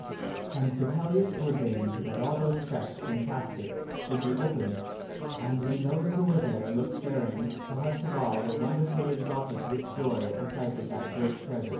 And Sir Pellias ordained that all those chests and caskets should be opened, and when those who were there looked therein, the hearts of all were wonderfully exalted with joy at the sight of that great treasure.